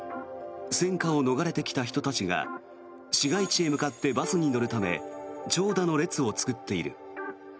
戦火を逃れてきた人たちが市街地へ向かってバスへ乗るため長蛇の列を作っている。